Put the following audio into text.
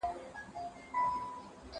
ما پرون د ښوونځي کتابونه مطالعه وکړ